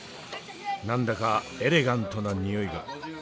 何だかエレガントなにおいが。